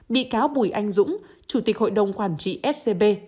bị cáo bùi anh dũng chủ tịch hội đồng quản trị scb